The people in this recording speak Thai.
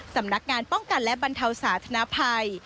สำนักงานป้องกันและบรรเทาสาธนภัย